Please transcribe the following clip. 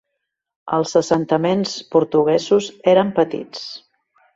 Els assentaments portuguesos eren petits.